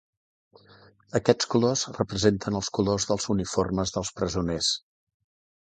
Aquests colors representen els colors dels uniformes dels presoners.